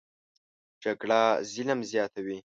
جګړه ظلم زیاتوي